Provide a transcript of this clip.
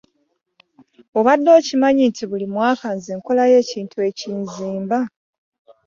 Obadde okimanyi nti buli mwaka nze nkolayo ekintu ekinzimba.